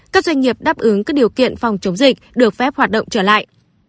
các doanh nghiệp đáp ứng các điều kiện phòng chống dịch được phép hoạt động trở lại